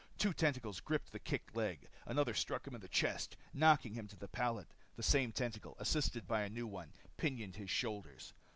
Two tentacles gripped the kicking leg. Another struck him in the chest, knocking him to the pallet. The same tentacle, assisted by a new one, pinioned his shoulders.